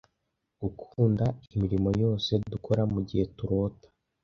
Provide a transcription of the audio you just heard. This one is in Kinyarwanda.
gukunda imirimo yose dukora mugihe turota